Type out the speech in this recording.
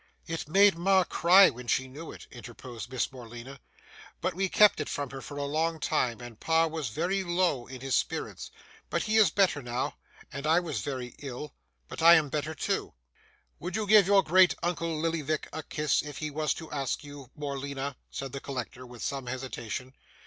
'It made ma cry when she knew it,' interposed Miss Morleena, 'but we kept it from her for a long time; and pa was very low in his spirits, but he is better now; and I was very ill, but I am better too.' 'Would you give your great uncle Lillyvick a kiss if he was to ask you, Morleena?' said the collector, with some hesitation.